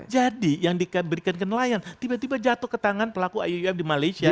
jadi yang diberikan ke nelayan tiba tiba jatuh ke tangan pelaku iuuf di malaysia